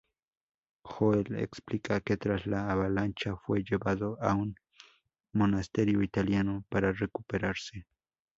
Joel explica que tras la avalancha fue llevado a un monasterio italiano para recuperarse.